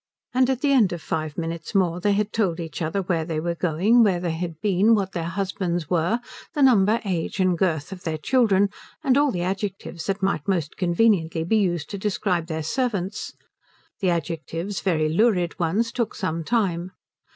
And at the end of five minutes more they had told each other where they were going, where they had been, what their husbands were, the number, age, and girth of their children, and all the adjectives that might most conveniently be used to describe their servants. The adjectives, very lurid ones, took some time.